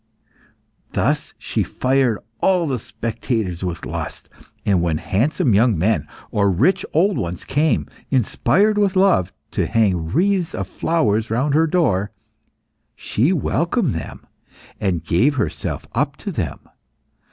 Thus she fired all the spectators with lust, and when handsome young men, or rich old ones, came, inspired with love, to hang wreaths of flowers round her door, she welcomed them, and gave herself up to them.